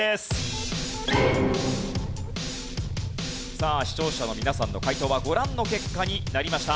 さあ視聴者の皆さんの解答はご覧の結果になりました。